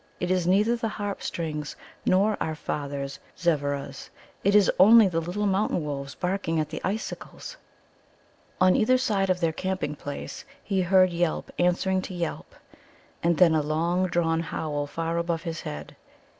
It is neither the Harp strings nor our father's Zevveras; it is only the little mountain wolves barking at the icicles." On either side of their camping place he heard yelp answering to yelp, and then a long drawn howl far above his head.